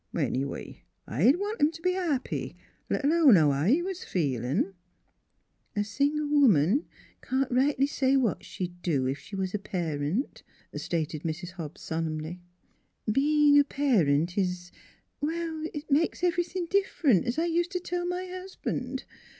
" Anyway, I'd want him t' be happy, let alone how I was feelin'." 176 NEIGHBORS " A single woman can't rightly say what she'd do, if she was a parent," stated Mrs. Hobbs sol emnly. " Being a parent is well, it makes every thing different, as I used to tell my husband.